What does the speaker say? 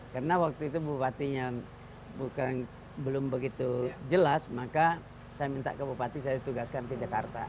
karena waktu itu bupatinya belum begitu jelas maka saya minta ke bupati saya ditugaskan ke jakarta